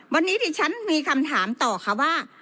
วันนี้ดิฉันมีคำถามต่อค่ะว่า